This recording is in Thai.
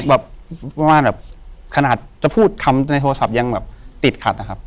แบบประมาณแบบขนาดจะพูดคำในโทรศัพท์ยังแบบติดขัดนะครับ